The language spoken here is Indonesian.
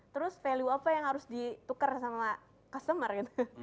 terus value apa yang harus ditukar sama customer gitu